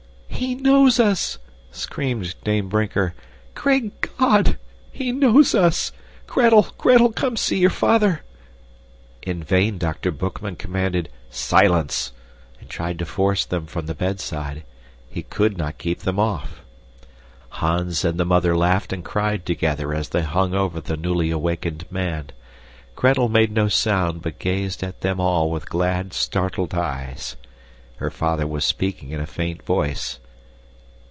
"He knows us!" screamed Dame Brinker. "Great God! He knows us! Gretel! Gretel! Come, see your father!" In vain Dr. Boekman commanded "Silence!" and tried to force them from the bedside. He could not keep them off. Hans and the mother laughed and cried together as they hung over the newly awakened man. Gretel made no sound but gazed at them all with glad, startled eyes. Her father was speaking in a faint voice.